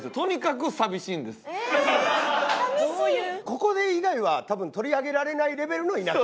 ここで以外は多分取り上げられないレベルの田舎。